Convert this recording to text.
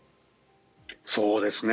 そうですね。